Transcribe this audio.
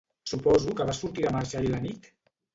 Suposo que vas sortir de marxa ahir a la nit?